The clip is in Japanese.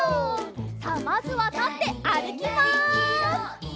さあまずはたってあるきます！